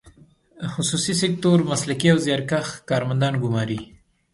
خصوصي سکتور مسلکي او زیارکښ کارګران ګماري.